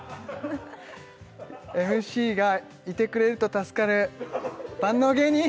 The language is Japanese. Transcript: ＭＣがいてくれると助かる万能芸人！